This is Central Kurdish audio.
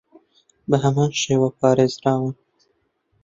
بەهەمان شێوە پارێزراون